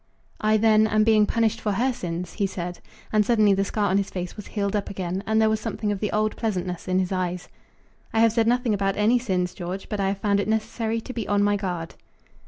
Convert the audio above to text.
"I then am being punished for her sins," he said; and suddenly the scar on his face was healed up again, and there was something of the old pleasantness in his eyes. "I have said nothing about any sins, George, but I have found it necessary to be on my guard."